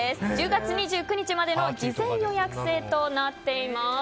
１０月２９日までの事前予約制となっています。